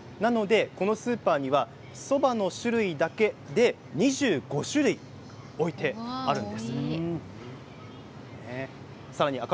このスーパーにはそばの種類だけで２５種類、置いてあるんです。